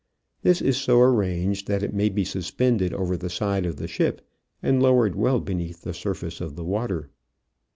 This is so arranged that it may be suspended over the side of the ship and lowered well beneath the surface of the water.